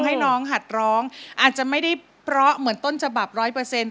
ให้น้องหัดร้องอาจจะไม่ได้เพราะเหมือนต้นฉบับร้อยเปอร์เซ็นต